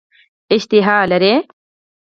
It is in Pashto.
اشتها لري.